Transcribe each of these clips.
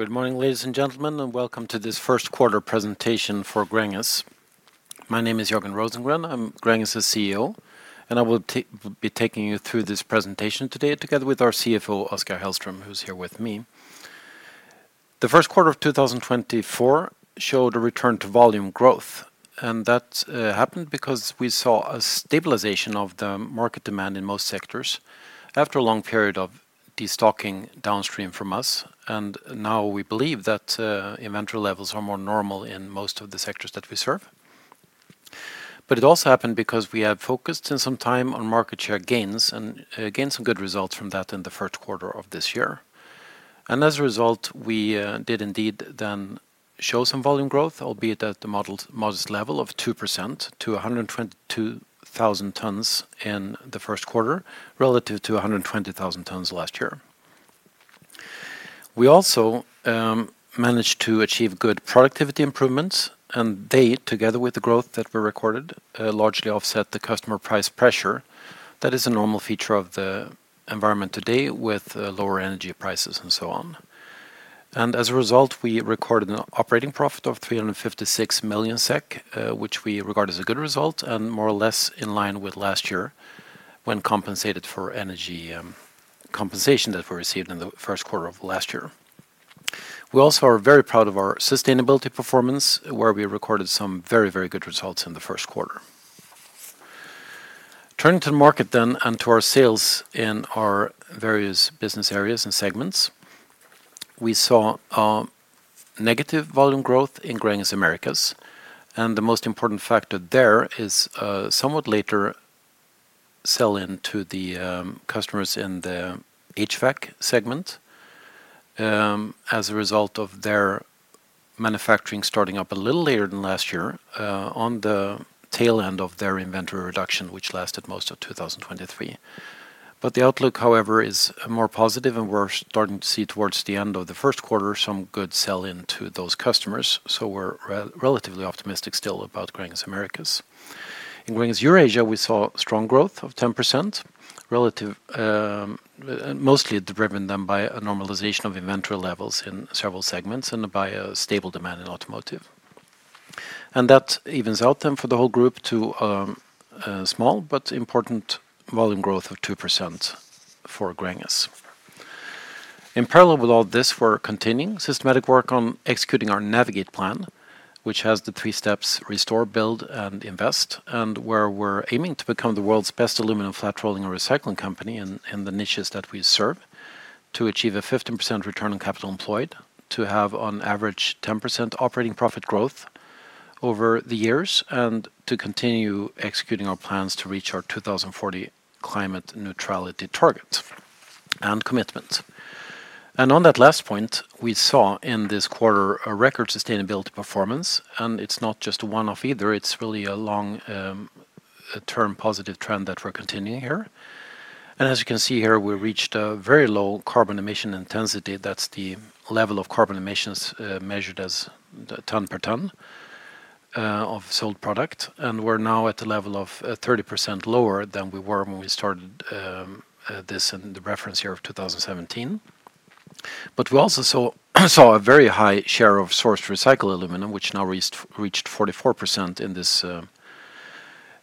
Good morning, ladies and gentlemen, and welcome to this first-quarter presentation for Gränges. My name is Jörgen Rosengren. I'm Gränges's CEO, and I will be taking you through this presentation today together with our CFO, Oskar Hellström, who's here with me. The first quarter of 2024 showed a return to volume growth, and that happened because we saw a stabilization of the market demand in most sectors after a long period of destocking downstream from us. And now we believe that inventory levels are more normal in most of the sectors that we serve. But it also happened because we have focused in some time on market share gains and gained some good results from that in the first quarter of this year. As a result, we did indeed then show some volume growth, albeit at the model's modest level of 2% to 122,000 tons in the first quarter relative to 120,000 tons last year. We also managed to achieve good productivity improvements, and they together with the growth that we recorded largely offset the customer price pressure. That is a normal feature of the environment today with lower energy prices and so on. And as a result, we recorded an operating profit of 356 million SEK, which we regard as a good result and more or less in line with last year when compensated for energy compensation that we received in the first quarter of last year. We also are very proud of our sustainability performance, where we recorded some very, very good results in the first quarter. Turning to the market then and to our sales in our various business areas and segments, we saw negative volume growth in Gränges Americas. The most important factor there is somewhat later sell-in to the customers in the HVAC segment, as a result of their manufacturing starting up a little later than last year, on the tail end of their inventory reduction, which lasted most of 2023. But the outlook, however, is more positive, and we're starting to see towards the end of the first quarter some good sell-in to those customers. We're relatively optimistic still about Gränges Americas. In Gränges Eurasia, we saw strong growth of 10% relative, mostly driven then by a normalization of inventory levels in several segments and by a stable demand in automotive. That evens out then for the whole group to small but important volume growth of 2% for Gränges. In parallel with all this, we're continuing systematic work on executing our Navigate plan, which has the three steps: restore, build, and invest. And where we're aiming to become the world's best aluminum flat-rolling and recycling company in the niches that we serve to achieve a 15% return on capital employed, to have on average 10% operating profit growth over the years, and to continue executing our plans to reach our 2040 climate neutrality targets and commitments. And on that last point, we saw in this quarter a record sustainability performance. And it's not just a one-off either. It's really a long-term positive trend that we're continuing here. And as you can see here, we reached a very low carbon emission intensity. That's the level of carbon emissions, measured as ton per ton, of sold product. We're now at the level of 30% lower than we were when we started, this in the reference year of 2017. But we also saw a very high share of sourced recycled aluminum, which now reached 44%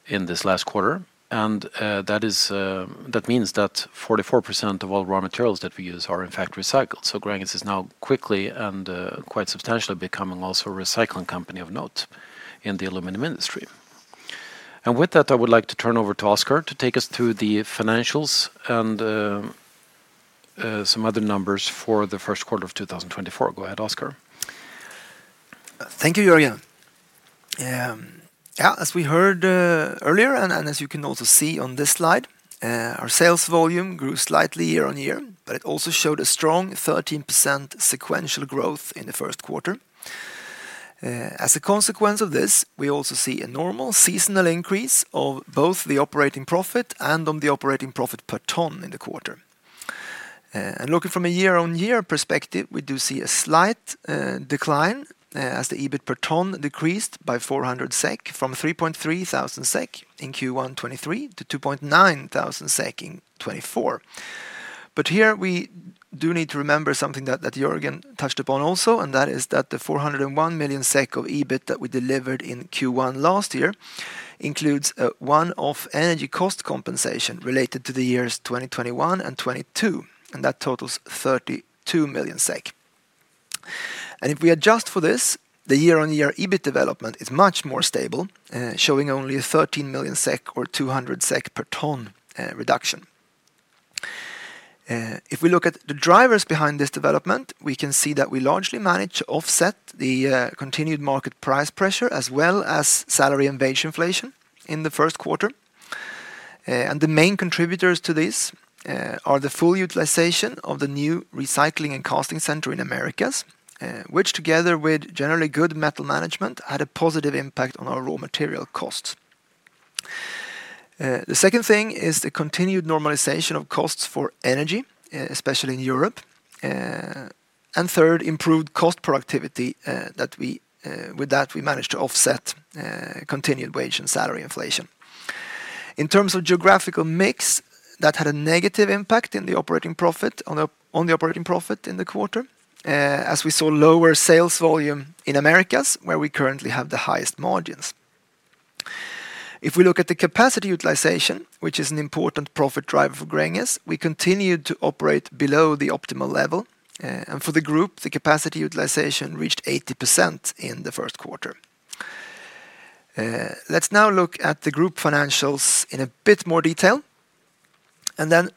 in this last quarter. And that is, that means that 44% of all raw materials that we use are, in fact, recycled. So Gränges is now quickly and quite substantially becoming also a recycling company of note in the aluminum industry. And with that, I would like to turn over to Oskar to take us through the financials and some other numbers for the first quarter of 2024. Go ahead, Oskar. Thank you, Jörgen. Yeah, as we heard earlier and as you can also see on this slide, our sales volume grew slightly year-on-year, but it also showed a strong 13% sequential growth in the first quarter. As a consequence of this, we also see a normal seasonal increase of both the operating profit and the operating profit per ton in the quarter. Looking from a year-on-year perspective, we do see a slight decline, as the EBIT per ton decreased by 400 SEK from 3,300 SEK in Q1 2023 to 2,900 SEK in 2024. But here we do need to remember something that Jörgen touched upon also, and that is that the 401 million SEK of EBIT that we delivered in Q1 last year includes one-off energy cost compensation related to the years 2021 and 2022, and that totals 32 million SEK. And if we adjust for this, the year-on-year EBIT development is much more stable, showing only a 13 million SEK or 200 SEK per ton reduction. If we look at the drivers behind this development, we can see that we largely managed to offset the continued market price pressure as well as salary and wage inflation in the first quarter. And the main contributors to this are the full utilization of the new recycling and casting center in Americas, which together with generally good metal management had a positive impact on our raw material costs. The second thing is the continued normalization of costs for energy, especially in Europe. And third, improved cost productivity that we managed to offset continued wage and salary inflation. In terms of geographical mix, that had a negative impact in the operating profit on the operating profit in the quarter, as we saw lower sales volume in Americas where we currently have the highest margins. If we look at the capacity utilization, which is an important profit driver for Gränges, we continued to operate below the optimal level. For the group, the capacity utilization reached 80% in the first quarter. Let's now look at the group financials in a bit more detail. Then,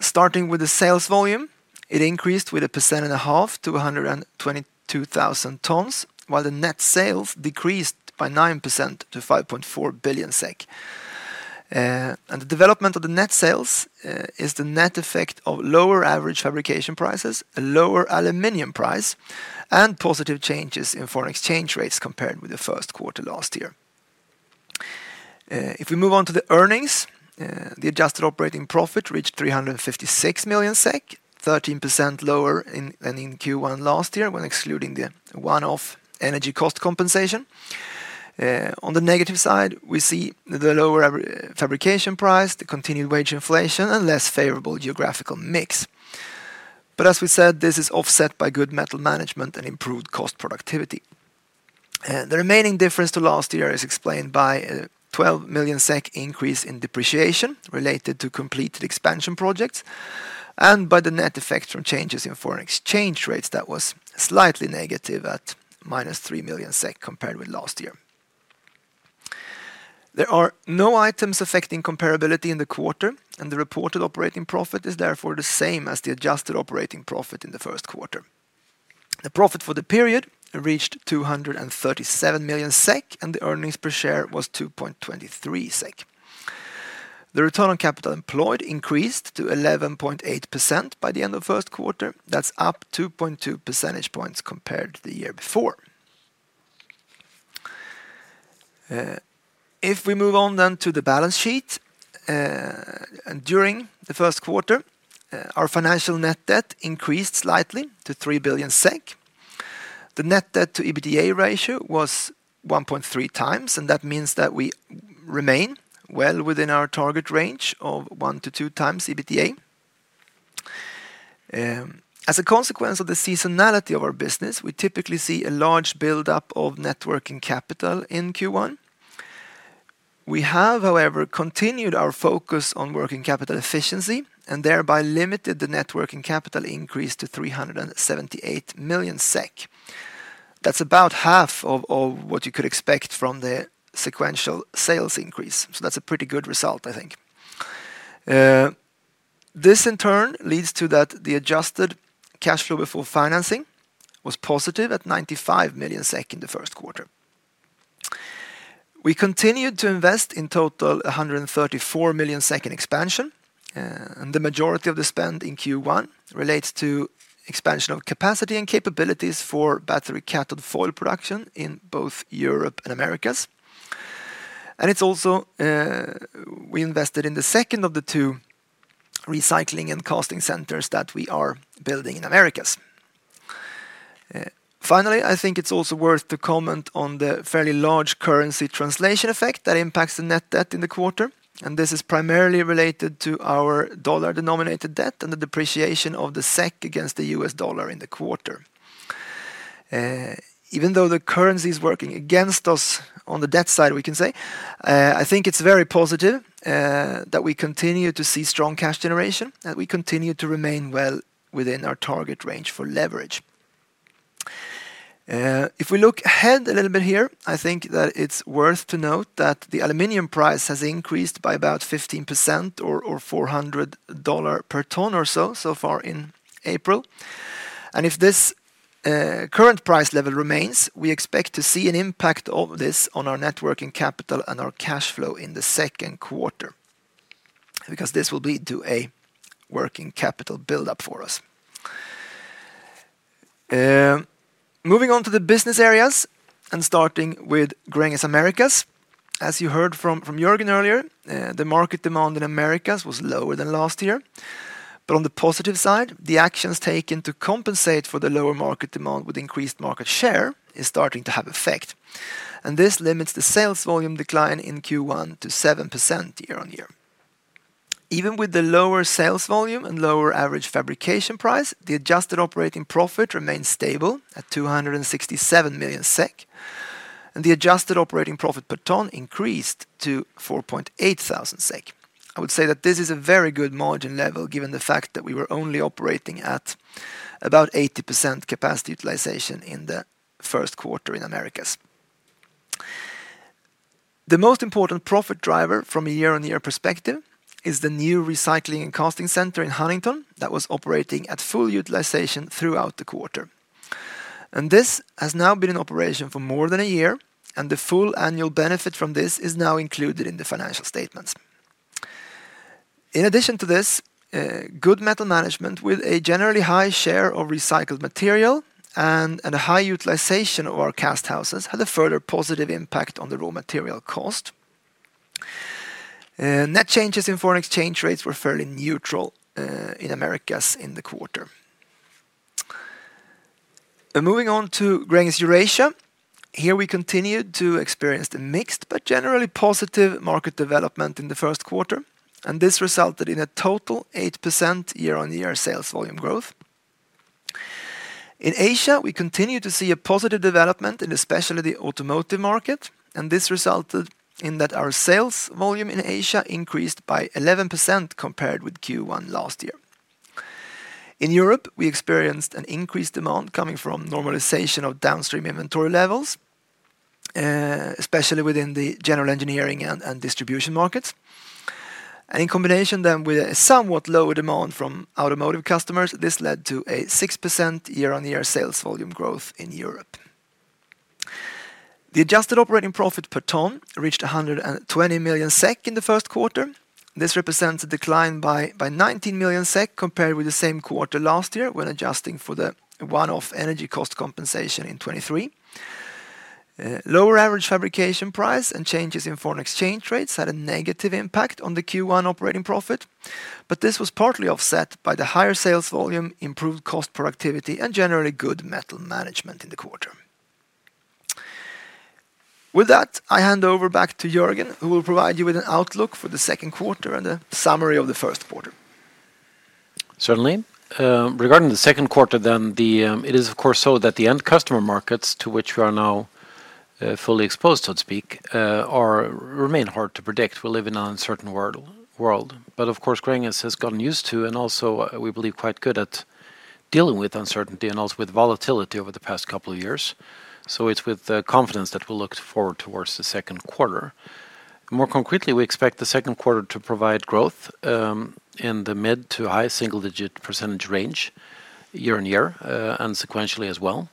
starting with the sales volume, it increased with 1.5% to 122,000 tons, while the net sales decreased by 9% to 5.4 billion SEK. The development of the net sales is the net effect of lower average fabrication prices, a lower aluminum price, and positive changes in foreign exchange rates compared with the first quarter last year. If we move on to the earnings, the adjusted operating profit reached 356 million SEK, 13% lower in than in Q1 last year when excluding the one-off energy cost compensation. On the negative side, we see the lower average fabrication price, the continued wage inflation, and less favorable geographical mix. But as we said, this is offset by good metal management and improved cost productivity. The remaining difference to last year is explained by a 12 million SEK increase in depreciation related to completed expansion projects, and by the net effect from changes in foreign exchange rates that was slightly negative at minus 3 million SEK compared with last year. There are no items affecting comparability in the quarter, and the reported operating profit is therefore the same as the adjusted operating profit in the first quarter. The profit for the period reached 237 million SEK, and the earnings per share was 2.23 SEK. The return on capital employed increased to 11.8% by the end of first quarter. That's up 2.2 percentage points compared to the year before. If we move on then to the balance sheet, and during the first quarter, our financial net debt increased slightly to 3 billion SEK. The net debt to EBITDA ratio was 1.3 times, and that means that we remain well within our target range of 1-2 times EBITDA. As a consequence of the seasonality of our business, we typically see a large buildup of working capital in Q1. We have, however, continued our focus on working capital efficiency and thereby limited the working capital increase to 378 million SEK. That's about half of what you could expect from the sequential sales increase. So that's a pretty good result, I think. This in turn leads to that the adjusted cash flow before financing was positive at 95 million SEK in the first quarter. We continued to invest in total 134 million SEK expansion, and the majority of the spend in Q1 relates to expansion of capacity and capabilities for battery cathode foil production in both Europe and Americas. And it's also, we invested in the second of the two recycling and casting centers that we are building in Americas. Finally, I think it's also worth to comment on the fairly large currency translation effect that impacts the net debt in the quarter. And this is primarily related to our dollar-denominated debt and the depreciation of the SEK against the US dollar in the quarter. Even though the currency is working against us on the debt side, we can say, I think it's very positive, that we continue to see strong cash generation and we continue to remain well within our target range for leverage. If we look ahead a little bit here, I think that it's worth to note that the aluminum price has increased by about 15% or, or $400 per ton or so so far in April. If this current price level remains, we expect to see an impact of this on our net working capital and our cash flow in the second quarter. Because this will lead to a working capital buildup for us. Moving on to the business areas and starting with Gränges Americas. As you heard from, from Jörgen earlier, the market demand in Americas was lower than last year. But on the positive side, the actions taken to compensate for the lower market demand with increased market share is starting to have effect. And this limits the sales volume decline in Q1 to 7% year-on-year. Even with the lower sales volume and lower average fabrication price, the adjusted operating profit remains stable at 267 million SEK. And the adjusted operating profit per ton increased to 4.8 thousand SEK. I would say that this is a very good margin level given the fact that we were only operating at about 80% capacity utilization in the first quarter in Americas. The most important profit driver from a year-on-year perspective is the new recycling and casting center in Huntingdon that was operating at full utilization throughout the quarter. This has now been in operation for more than a year, and the full annual benefit from this is now included in the financial statements. In addition to this, good metal management with a generally high share of recycled material and a high utilization of our cast houses had a further positive impact on the raw material cost. Net changes in foreign exchange rates were fairly neutral in Americas in the quarter. Moving on to Gränges Eurasia, here we continued to experience the mixed but generally positive market development in the first quarter. This resulted in a total 8% year-over-year sales volume growth. In Asia, we continued to see a positive development in especially the automotive market. This resulted in that our sales volume in Asia increased by 11% compared with Q1 last year. In Europe, we experienced an increased demand coming from normalization of downstream inventory levels, especially within the general engineering and distribution markets. In combination then with a somewhat lower demand from automotive customers, this led to a 6% year-on-year sales volume growth in Europe. The adjusted operating profit per ton reached 120 million SEK in the first quarter. This represents a decline by 19 million SEK compared with the same quarter last year when adjusting for the one-off energy cost compensation in 2023. Lower average fabrication price and changes in foreign exchange rates had a negative impact on the Q1 operating profit. This was partly offset by the higher sales volume, improved cost productivity, and generally good metal management in the quarter. With that, I hand over back to Jörgen, who will provide you with an outlook for the second quarter and a summary of the first quarter. Certainly. Regarding the second quarter then, it is of course so that the end customer markets to which we are now, fully exposed, so to speak, remain hard to predict. We live in an uncertain world. But of course, Gränges has gotten used to and also, we believe, quite good at dealing with uncertainty and also with volatility over the past couple of years. So it's with confidence that we'll look forward towards the second quarter. More concretely, we expect the second quarter to provide growth, in the mid- to high single-digit percentage range year-on-year, and sequentially as well.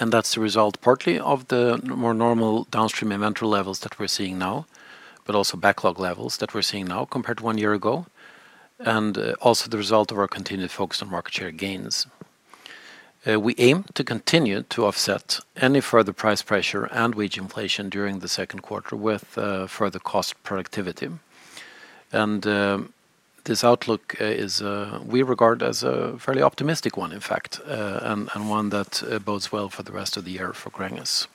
And that's the result partly of the more normal downstream inventory levels that we're seeing now, but also backlog levels that we're seeing now compared to one year ago. And also the result of our continued focus on market share gains. We aim to continue to offset any further price pressure and wage inflation during the second quarter with further cost productivity. This outlook we regard as a fairly optimistic one, in fact, and one that bodes well for the rest of the year for Gränges.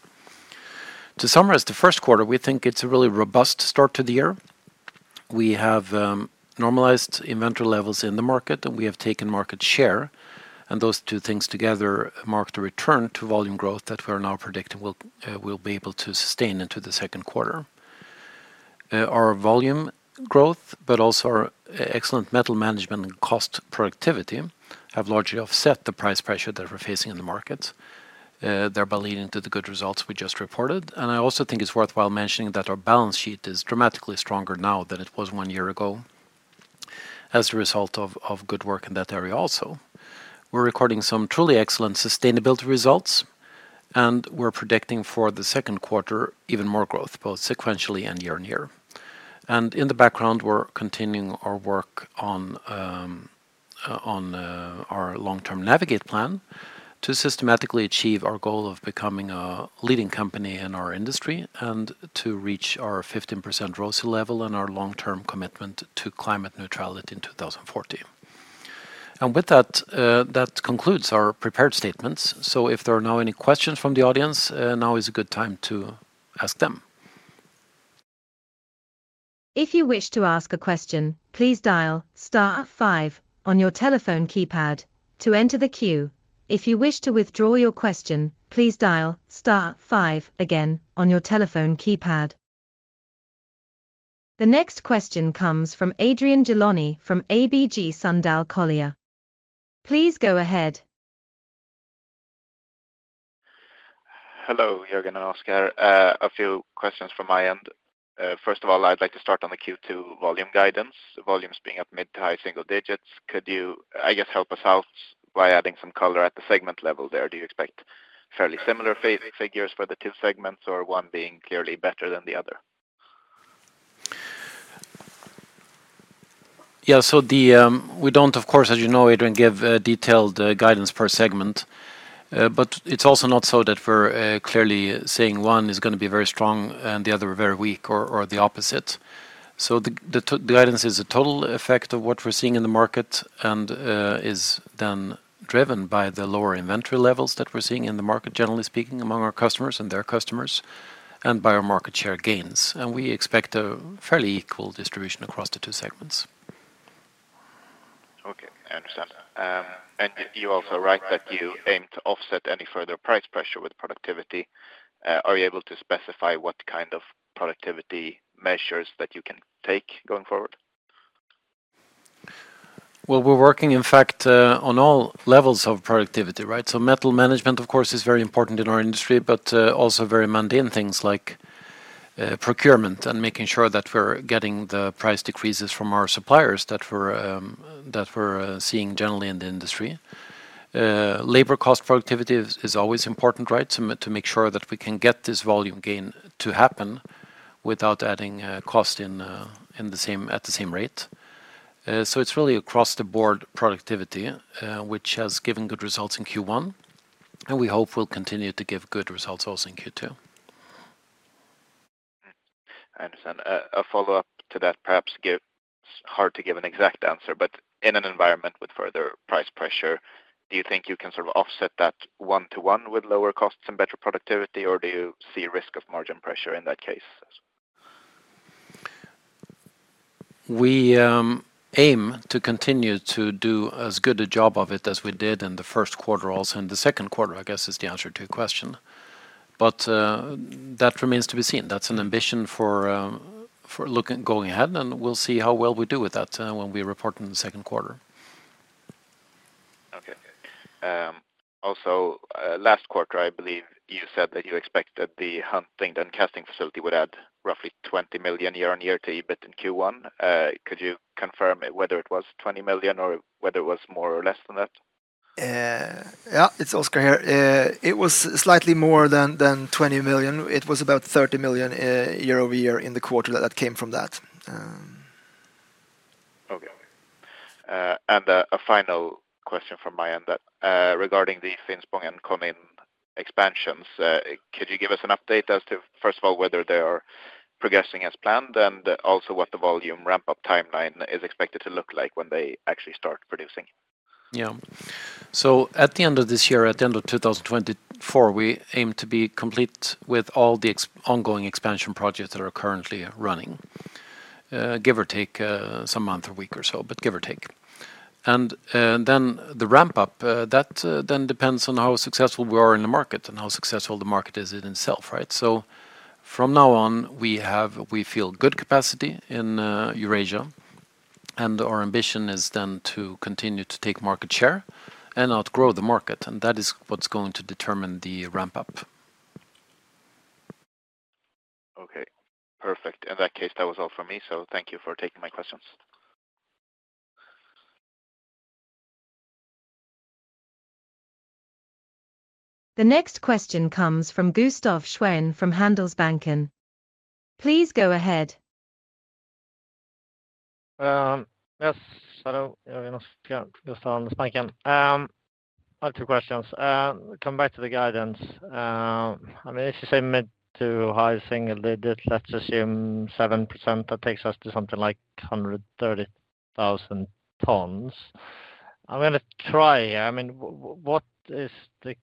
To summarize the first quarter, we think it's a really robust start to the year. We have normalized inventory levels in the market and we have taken market share. Those two things together marked a return to volume growth that we are now predicting will be able to sustain into the second quarter. Our volume growth, but also our excellent metal management and cost productivity have largely offset the price pressure that we're facing in the markets, thereby leading to the good results we just reported. I also think it's worthwhile mentioning that our balance sheet is dramatically stronger now than it was one year ago. As a result of good work in that area also. We're recording some truly excellent sustainability results. We're predicting for the second quarter even more growth, both sequentially and year-over-year. In the background, we're continuing our work on our long-term Navigate plan to systematically achieve our goal of becoming a leading company in our industry and to reach our 15% ROSI level and our long-term commitment to climate neutrality in 2040. With that, that concludes our prepared statements. So if there are now any questions from the audience, now is a good time to ask them. If you wish to ask a question, please dial *5 on your telephone keypad to enter the queue. If you wish to withdraw your question, please dial *5 again on your telephone keypad. The next question comes from Adrian Gilani from ABG Sundal Collier. Please go ahead. Hello, Jörgen and Oskar. A few questions from my end. First of all, I'd like to start on the Q2 volume guidance. Volumes being at mid to high single digits, could you, I guess, help us out by adding some color at the segment level there? Do you expect fairly similar figures for the two segments or one being clearly better than the other? Yeah, so we don't, of course, as you know, Adrian, give detailed guidance per segment. But it's also not so that we're clearly saying one is going to be very strong and the other very weak, or the opposite. So the guidance is a total effect of what we're seeing in the market and is then driven by the lower inventory levels that we're seeing in the market, generally speaking, among our customers and their customers, and by our market share gains. And we expect a fairly equal distribution across the two segments. Okay, I understand. You also write that you aim to offset any further price pressure with productivity. Are you able to specify what kind of productivity measures that you can take going forward? Well, we're working, in fact, on all levels of productivity, right? So metal management, of course, is very important in our industry, but also very mundane things like procurement and making sure that we're getting the price decreases from our suppliers that we're seeing generally in the industry. Labor cost productivity is always important, right, to make sure that we can get this volume gain to happen without adding cost in the same rate. So it's really across-the-board productivity, which has given good results in Q1. And we hope we'll continue to give good results also in Q2. I understand. A follow-up to that, perhaps it's hard to give an exact answer, but in an environment with further price pressure, do you think you can sort of offset that one-to-one with lower costs and better productivity, or do you see a risk of margin pressure in that case? We aim to continue to do as good a job of it as we did in the first quarter also in the second quarter, I guess, is the answer to your question. But that remains to be seen. That's an ambition for looking going ahead. And we'll see how well we do with that, when we report in the second quarter. Okay. Also, last quarter, I believe you said that you expected the Huntingdon and casting facility would add roughly 20 million year-on-year to EBIT in Q1. Could you confirm whether it was 20 million or whether it was more or less than that? Yeah, it's Oskar here. It was slightly more than 20 million. It was about 30 million, year-over-year in the quarter that came from that. Okay. A final question from my end then, regarding the Finspång and Konin expansions, could you give us an update as to, first of all, whether they are progressing as planned and also what the volume ramp-up timeline is expected to look like when they actually start producing? Yeah. So at the end of this year, at the end of 2024, we aim to be complete with all the existing ongoing expansion projects that are currently running, give or take some month or week or so, but give or take. And then the ramp-up, that then depends on how successful we are in the market and how successful the market is in itself, right? So from now on, we have, we feel, good capacity in Eurasia. And our ambition is then to continue to take market share and outgrow the market. And that is what's going to determine the ramp-up. Okay. Perfect. In that case, that was all from me. So thank you for taking my questions. The next question comes from Gustaf Schwerin from Handelsbanken. Please go ahead. Yes, hello, Jörgen and Gustaf, Handelsbanken. I have two questions. Coming back to the guidance, I mean, if you say mid- to high single-digit, let's assume 7%, that takes us to something like 130,000 tons. I'm going to try here. I mean, what is the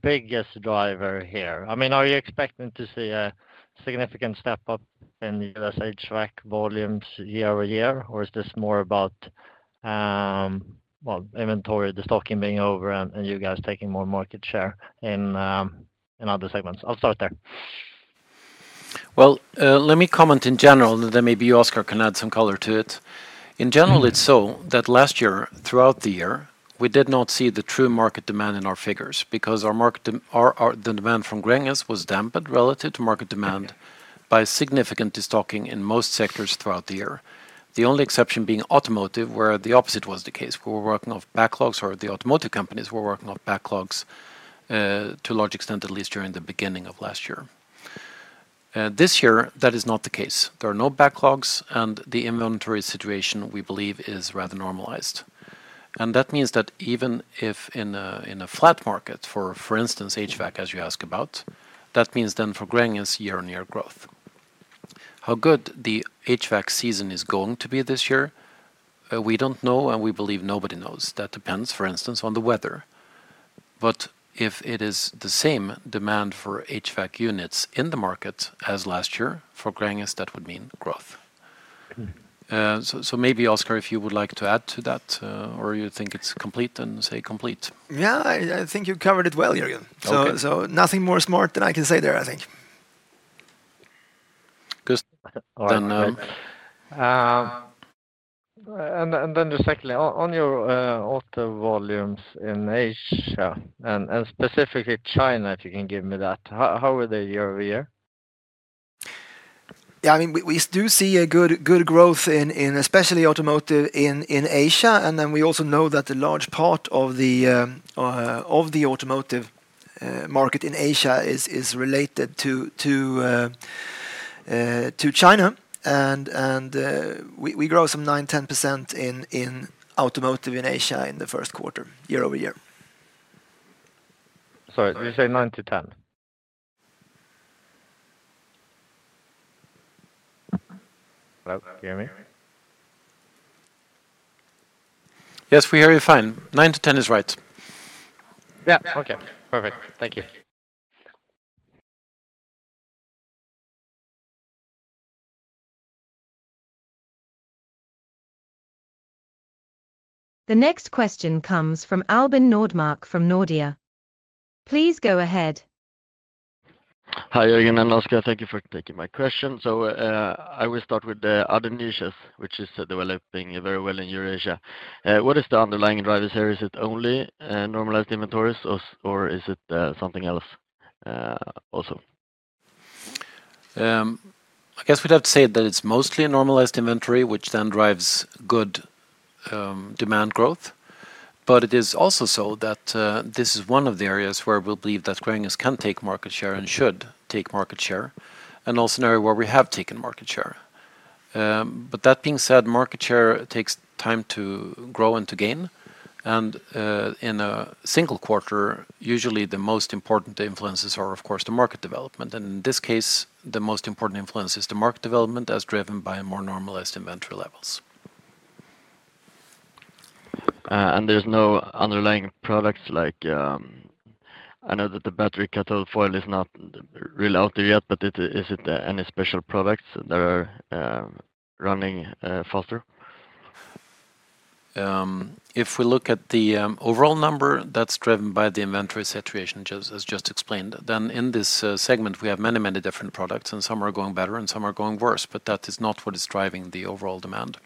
biggest driver here? I mean, are you expecting to see a significant step up in US HVAC volumes year-over-year, or is this more about, well, inventory, the stocking being over and, and you guys taking more market share in, in other segments? I'll start there. Well, let me comment in general and then maybe you, Oskar, can add some color to it. In general, it's so that last year, throughout the year, we did not see the true market demand in our figures because our market demand from Gränges was dampened relative to market demand by significant destocking in most sectors throughout the year. The only exception being automotive, where the opposite was the case. We were working off backlogs, or the automotive companies were working off backlogs, to a large extent, at least during the beginning of last year. This year, that is not the case. There are no backlogs, and the inventory situation, we believe, is rather normalized. And that means that even if in a flat market for instance, HVAC, as you ask about, that means then for Gränges year-on-year growth. How good the HVAC season is going to be this year, we don't know, and we believe nobody knows. That depends, for instance, on the weather. But if it is the same demand for HVAC units in the market as last year for Gränges, that would mean growth. So, so maybe, Oskar, if you would like to add to that, or you think it's complete and say complete. Yeah, I, I think you covered it well, Jörgen. So, so nothing more smart than I can say there, I think. Gustaf, then, All right. And then, just secondly, on your auto volumes in Asia and specifically China, if you can give me that, how were they year over year? Yeah, I mean, we do see a good growth in especially automotive in Asia. And then we also know that a large part of the automotive market in Asia is related to China. And we grow some 9%-10% in automotive in Asia in the first quarter, year-over-year. Sorry, did you say 9-10? Hello, can you hear me? Yes, we hear you fine. 9-10 is right. Yeah, okay. Perfect. Thank you. The next question comes from Albin Nordmark from Nordea. Please go ahead. Hi, Jörgen and Oskar. Thank you for taking my question. So, I will start with, other niches, which is, developing very well in Eurasia. What is the underlying driver here? Is it only, normalized inventories, or, or is it, something else, also? I guess we'd have to say that it's mostly normalized inventory, which then drives good demand growth. But it is also so that this is one of the areas where we believe that Gränges can take market share and should take market share, and also an area where we have taken market share. But that being said, market share takes time to grow and to gain. And in a single quarter, usually the most important influences are, of course, the market development. And in this case, the most important influence is the market development as driven by more normalized inventory levels. There's no underlying products like, I know that the battery cathode foil is not really out there yet, but is it any special products that are running faster? If we look at the overall number that's driven by the inventory saturation, as just explained, then in this segment, we have many, many different products, and some are going better and some are going worse. But that is not what is driving the overall demand.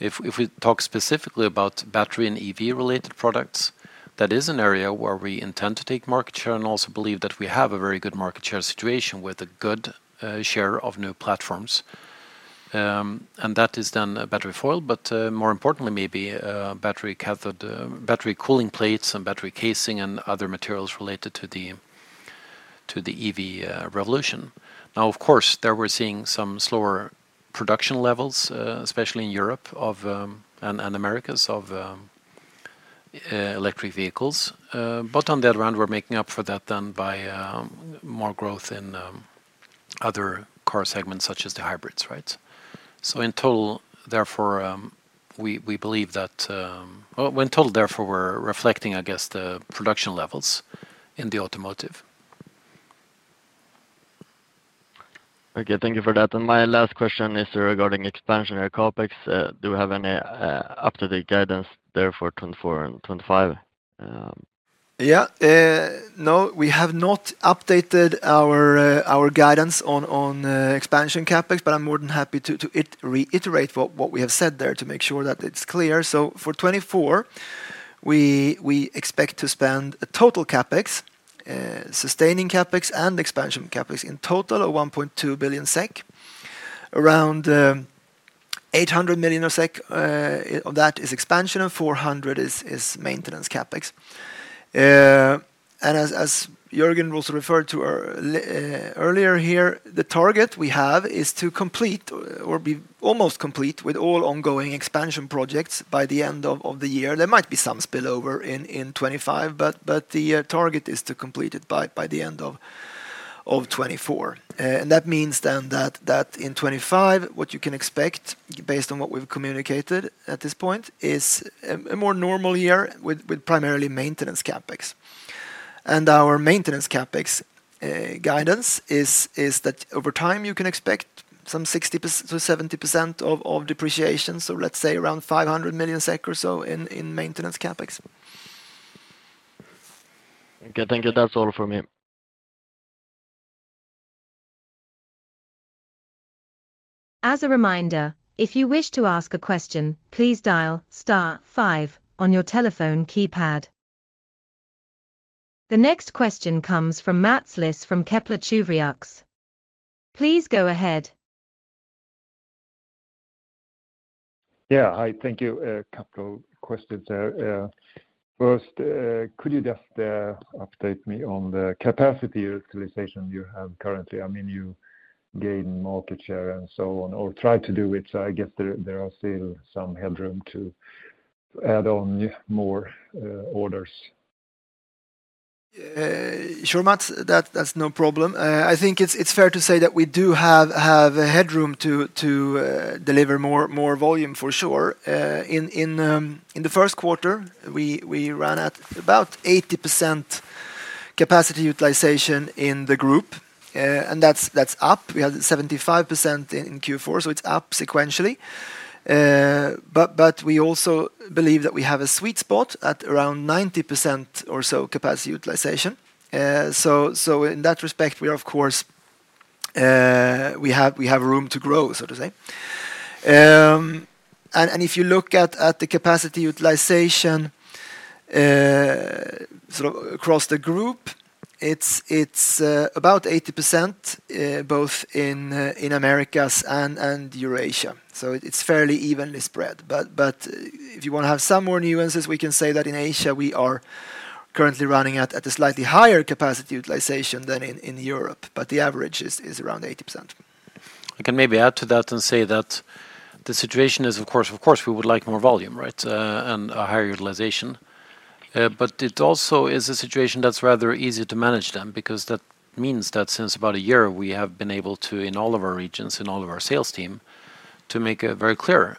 If we talk specifically about battery and EV-related products, that is an area where we intend to take market share and also believe that we have a very good market share situation with a good share of new platforms. And that is then battery foil. But more importantly, maybe, battery cathode, battery cooling plates and battery casing and other materials related to the EV revolution. Now, of course, there we're seeing some slower production levels, especially in Europe and Americas of electric vehicles. but on the other hand, we're making up for that then by more growth in other car segments such as the hybrids, right? So in total, therefore, we, we believe that, well, in total, therefore, we're reflecting, I guess, the production levels in the automotive. Okay, thank you for that. My last question is regarding expansionary CapEx. Do we have any up-to-date guidance there for 2024 and 2025? Yeah, no, we have not updated our guidance on expansion CapEx, but I'm more than happy to reiterate what we have said there to make sure that it's clear. So for 2024, we expect to spend a total CapEx, sustaining CapEx and expansion CapEx in total of 1.2 billion SEK. Around 800 million of that is expansion and 400 million is maintenance CapEx. And as Jörgen also referred to earlier here, the target we have is to complete or be almost complete with all ongoing expansion projects by the end of the year. There might be some spillover in 2025, but the target is to complete it by the end of 2024. That means then that in 2025, what you can expect, based on what we've communicated at this point, is a more normal year with primarily maintenance CapEx. And our maintenance CapEx guidance is that over time you can expect some 60%-70% of depreciation, so let's say around 500 million SEK or so in maintenance CapEx. Okay, thank you. That's all from me. As a reminder, if you wish to ask a question, please dial *5 on your telephone keypad. The next question comes from Mats Liss from Kepler Cheuvreux. Please go ahead. Yeah, hi, thank you. A couple of questions there. First, could you just update me on the capacity utilization you have currently? I mean, you gain market share and so on, or tried to do it, so I guess there are still some headroom to add on more orders. Sure, Mats. That's no problem. I think it's fair to say that we do have headroom to deliver more volume for sure. In the first quarter, we ran at about 80% capacity utilization in the group. And that's up. We had 75% in Q4, so it's up sequentially. But we also believe that we have a sweet spot at around 90% or so capacity utilization. So in that respect, we are, of course, we have room to grow, so to say. And if you look at the capacity utilization sort of across the group, it's about 80%, both in Americas and Eurasia. So it's fairly evenly spread. But if you want to have some more nuances, we can say that in Asia we are currently running at a slightly higher capacity utilization than in Europe. But the average is around 80%. I can maybe add to that and say that the situation is, of course, we would like more volume, right, and a higher utilization. But it also is a situation that's rather easy to manage then because that means that since about a year we have been able to, in all of our regions, in all of our sales team, to make a very clear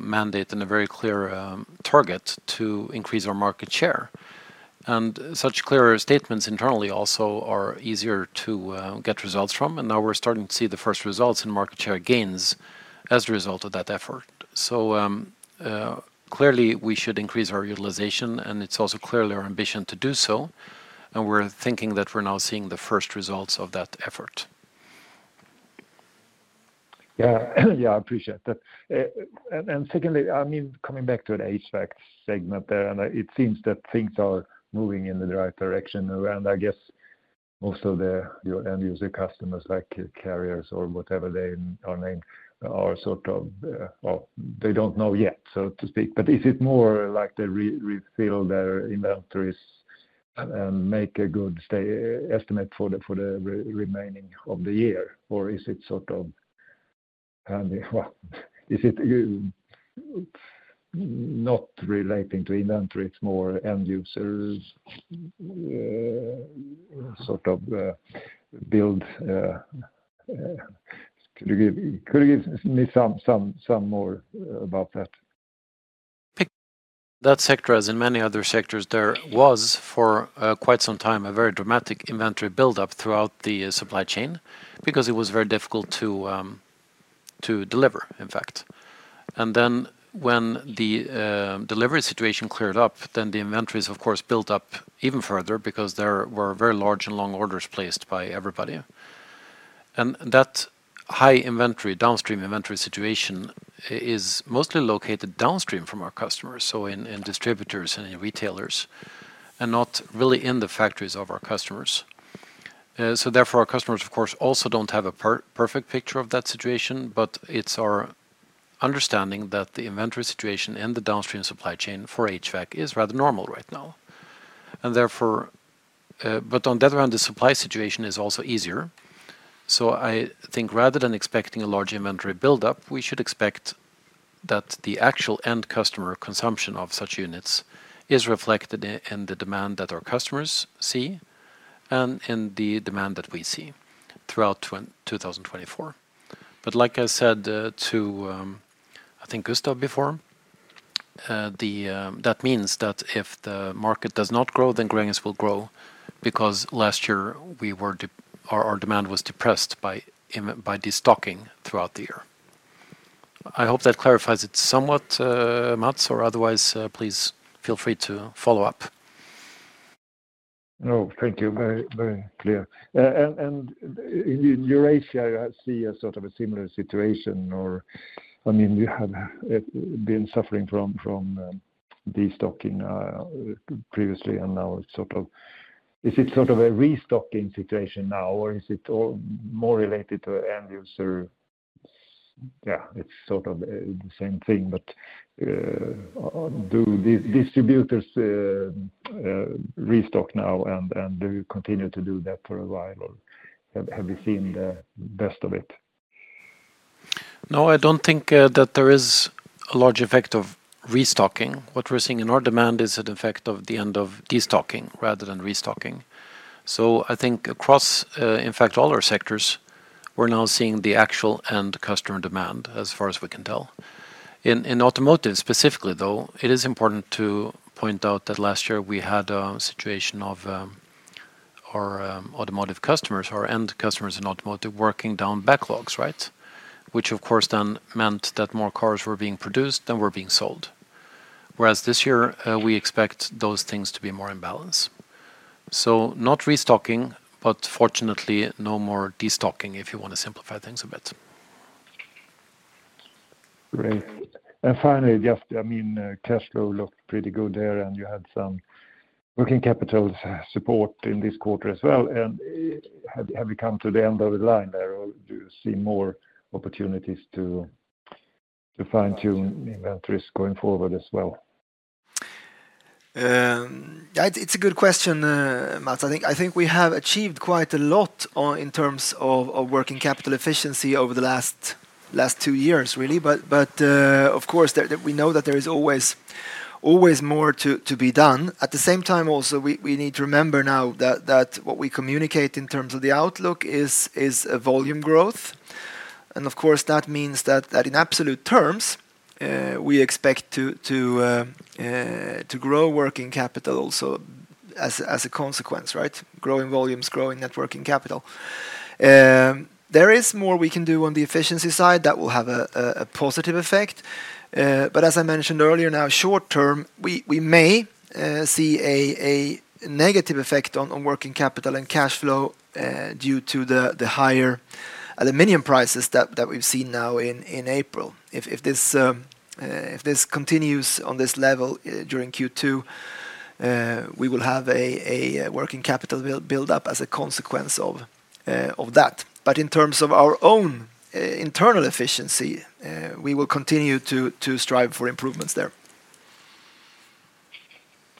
mandate and a very clear target to increase our market share. And such clearer statements internally also are easier to get results from. And now we're starting to see the first results in market share gains as a result of that effort. Clearly we should increase our utilization, and it's also clearly our ambition to do so. We're thinking that we're now seeing the first results of that effort. Yeah, yeah, I appreciate that. And, and secondly, I mean, coming back to the HVAC segment there, and it seems that things are moving in the right direction. I guess most of the end-user customers, like carriers or whatever they are named, are sort of, well, they don't know yet, so to speak. But is it more like they refill their inventories and make a good estimate for the remaining of the year, or is it sort of handy? Well, is it not relating to inventory? It's more end-user, sort of, build. Could you give me some more about that? That sector, as in many other sectors, there was, for quite some time, a very dramatic inventory buildup throughout the supply chain because it was very difficult to deliver, in fact. And then when the delivery situation cleared up, then the inventories, of course, built up even further because there were very large and long orders placed by everybody. And that high inventory, downstream inventory situation is mostly located downstream from our customers, so in distributors and in retailers, and not really in the factories of our customers. So therefore our customers, of course, also don't have a perfect picture of that situation, but it's our understanding that the inventory situation in the downstream supply chain for HVAC is rather normal right now. And therefore, but on the other hand, the supply situation is also easier. So I think rather than expecting a large inventory buildup, we should expect that the actual end customer consumption of such units is reflected in the demand that our customers see and in the demand that we see throughout 2024. But like I said to Gustaf before, that means that if the market does not grow, then Gränges will grow because last year we were down. Our demand was depressed by inventory destocking throughout the year. I hope that clarifies it somewhat, Mats, or otherwise, please feel free to follow up. No, thank you. Very, very clear. And in Eurasia, I see a sort of a similar situation, or I mean, you have been suffering from destocking previously, and now, is it sort of a restocking situation now, or is it all more related to end-user? Yeah, it's sort of the same thing. But, do the distributors restock now and do you continue to do that for a while, or have you seen the best of it? No, I don't think that there is a large effect of restocking. What we're seeing in our demand is an effect of the end of destocking rather than restocking. So I think across, in fact, all our sectors, we're now seeing the actual end customer demand as far as we can tell. In automotive specifically, though, it is important to point out that last year we had a situation of our automotive customers, our end customers in automotive, working down backlogs, right, which, of course, then meant that more cars were being produced than were being sold. Whereas this year, we expect those things to be more in balance. So not restocking, but fortunately no more destocking, if you want to simplify things a bit. Great. And finally, just, I mean, cash flow looked pretty good there, and you had some working capital support in this quarter as well. And have you come to the end of the line there, or do you see more opportunities to fine-tune inventories going forward as well? Yeah, it's a good question, Mats. I think we have achieved quite a lot in terms of working capital efficiency over the last two years, really. But of course, we know that there is always more to be done. At the same time also, we need to remember now that what we communicate in terms of the outlook is volume growth. And of course, that means that in absolute terms, we expect to grow working capital also as a consequence, right? Growing volumes, growing net working capital. There is more we can do on the efficiency side. That will have a positive effect. But as I mentioned earlier, now short term, we may see a negative effect on working capital and cash flow, due to the higher aluminum prices that we've seen now in April. If this continues on this level during Q2, we will have a working capital buildup as a consequence of that. But in terms of our own internal efficiency, we will continue to strive for improvements there.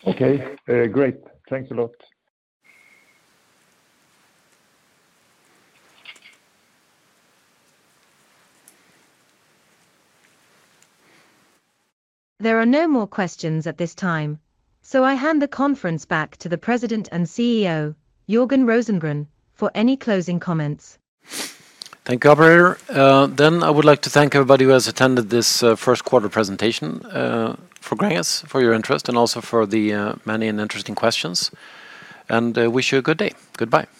Okay. Great. Thanks a lot. There are no more questions at this time, so I hand the conference back to the President and CEO, Jörgen Rosengren, for any closing comments. Thank you, operator. Then I would like to thank everybody who has attended this first quarter presentation for Gränges for your interest, and also for the many and interesting questions. Wish you a good day. Goodbye.